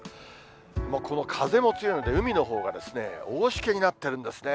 この風も強いので、海のほうが大しけになってるんですね。